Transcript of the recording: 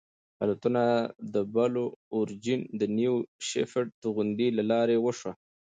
الوتنه د بلو اوریجن د نیو شیپرډ توغندي له لارې وشوه.